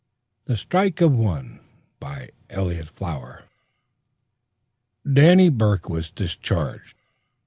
THE STRIKE OF ONE BY ELLIOTT FLOWER Danny Burke was discharged.